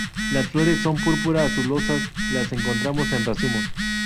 Las flores son púrpura-azulosas, las encontramos en racimos.